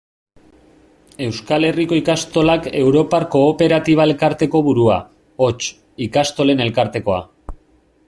Euskal Herriko Ikastolak europar kooperatiba-elkarteko burua, hots, Ikastolen Elkartekoa.